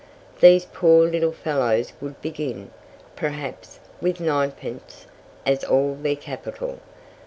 These poor little fellows would begin, perhaps, with ninepence as all their capital.